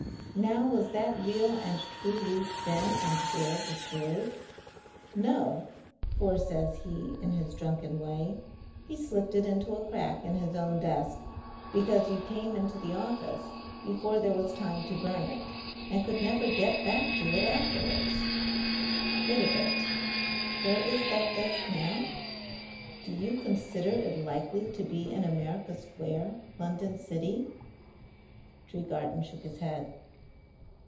Now was that real and true leaf then and there destroyed? No, for says he, in his drunken way, he slipped it into a crack in his own desk, because you came into the office before there was time to burn it, and could never get back to it arterwards. Wait a bit. Where is that desk now? Do you consider it likely to be in America Square, London City?" Tregarthen shook his head.